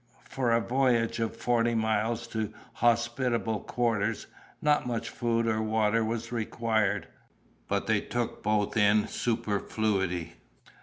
For a voyage of forty miles to hospitable quarters, not much food or water was required; but they took both in superfluity.